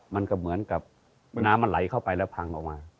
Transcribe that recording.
มันก็เหมือนกับน้ำมันไหลเข้าไปแล้วพังออกมา